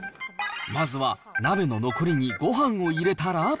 まずは鍋の残りにごはんを入れたら。